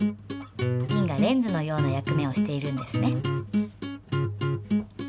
ビンがレンズのような役目をしているんですね。